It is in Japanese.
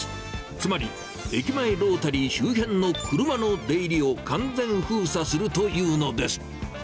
つまり駅前ロータリー周辺の車の出入りを完全封鎖するというのです。